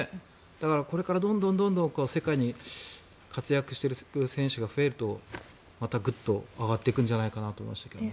だから、これからどんどん世界で活躍していく選手が増えるとまたグッと上がってくるんじゃないかなと思いましたけど。